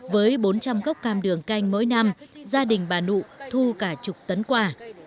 với bốn trăm linh gốc cam đường canh mỗi năm gia đình bà nụ thu cả chục tấn quả